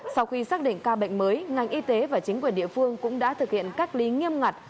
sau khi xác định ca bệnh mới ngành y tế và chính quyền địa phương cũng đã thực hiện cách ly nghiêm ngặt